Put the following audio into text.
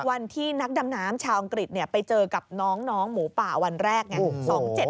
วันที่นักดำน้ำชาวอังกฤษไปเจอกับน้องหมูป่าวันแรกไง